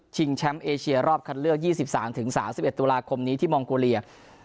แชมป์เอเชียรอบคัดเลือก๒๓๓๑ตุลาคมนี้ที่มองโกเลีย